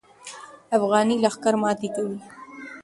افغاني لښکر ماتې کوي.